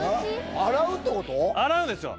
洗うんですよ